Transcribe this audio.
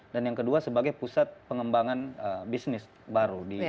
dan yang kedua sebagai pusat pengembangan bisnis baru